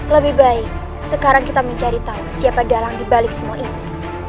lebih baik sekarang kita mencari tahu siapa dalang dibalik semua ini